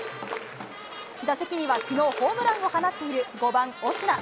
打席には、きのう、ホームランを放っている５番オスナ。